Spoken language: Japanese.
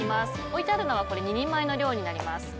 置いてあるのは２人前の量になります。